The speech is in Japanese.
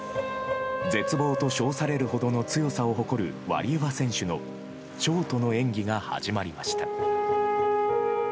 絶望と称されるほどの強さを誇るワリエワ選手のショートの演技が始まりました。